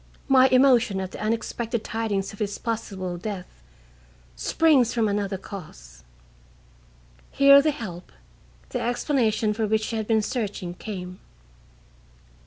My emotion at the unexpected tidings of his possible death springs from another cause." Here the help, the explanation for which she had been searching, came.